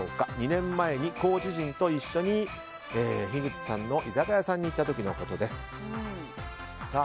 ２年前にコーチ陣と一緒に樋口さんの居酒屋さんに行った時のことです。